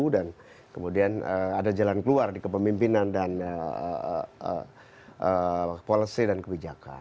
dan kemudian ada jalan keluar di kepemimpinan dan policy dan kebijakan